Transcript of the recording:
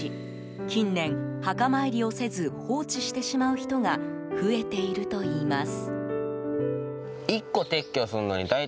近年、墓参りをせず放置してしまう人が増えているといいます。